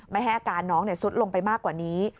ไม่ให้อาการน้องซุดลงไปมากกว่านี้